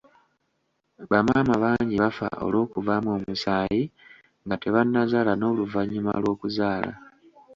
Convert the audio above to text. Bamaama bangi bafa olw'okuvaamu omusaayi nga tebannazaala n'oluvannyuma lw'okuzaala.